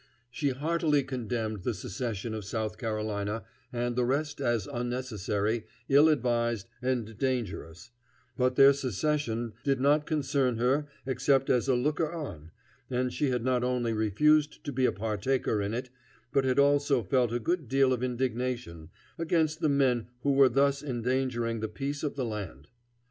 She heartily condemned the secession of South Carolina and the rest as unnecessary, ill advised, and dangerous; but their secession did not concern her except as a looker on, and she had not only refused to be a partaker in it, but had also felt a good deal of indignation against the men who were thus endangering the peace of the land.